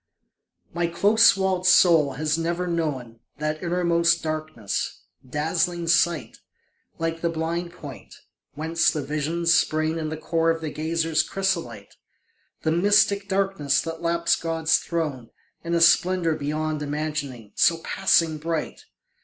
My close walled soul has never known That innermost darkness, dazzling sight, Like the blind point, whence the visions spring In the core of the gazer's chrysolite ... The mystic darkness that laps God's throne In a splendour beyond imagining, So passing bright.